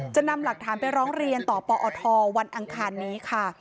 จะนำหลักฐานไปร้องเรียนต่อปอทวันอังคารนี้ค่ะ